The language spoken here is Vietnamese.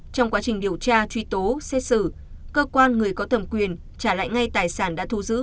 trong quá trình điều tra truy tố xét xử cơ quan người có thẩm quyền trả lại ngay tài sản đã thu giữ